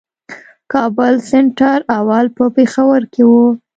کابل سېنټر اول په پېښور کښي وو.